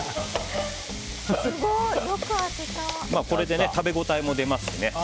これで食べ応えも出ますしね。